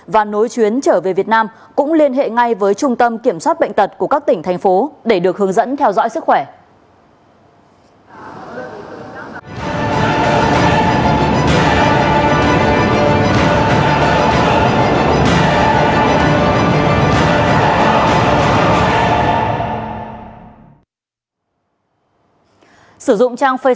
và nối chuyến trở về việt nam cũng liên hệ ngay với trung tâm kiểm soát bệnh tật của các tỉnh thành phố để được hướng dẫn theo dõi sức khỏe